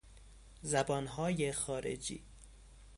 زبانهای خارجی